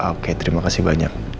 oke terima kasih banyak